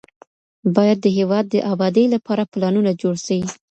باید د هیواد د ابادۍ لپاره پلانونه جوړ سي.